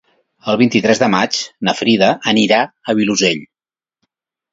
El vint-i-tres de maig na Frida irà al Vilosell.